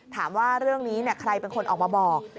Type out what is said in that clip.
ถามว่าเรื่องนี้ใครเป็นคนออกมาบอก